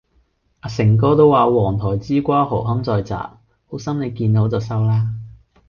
阿誠哥都話黃台之瓜何堪再摘，好心妳見好就收啦。